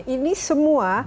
ini semua dengan